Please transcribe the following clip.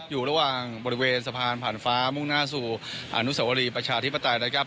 อยู่ระหว่างบริเวณสะพานผ่านฟ้ามุ่งหน้าสู่อนุสวรีประชาธิปไตยนะครับ